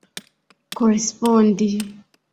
korespondi